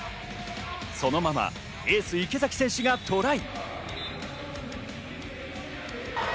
そのまま、エース・池崎選手がトライ。